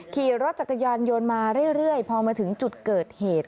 ขี่รถจักรยานยนต์มาเรื่อยพอมาถึงจุดเกิดเหตุ